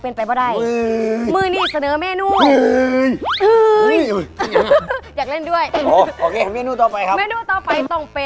เป็นไปปะได้